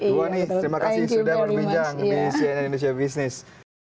luani terima kasih sudah berbincang di cnn indonesia business